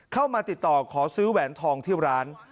เข้ามาติดต่อขอซื้อแหวนทองที่ร้าน